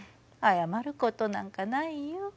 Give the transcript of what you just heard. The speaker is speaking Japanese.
謝ることなんかないよ。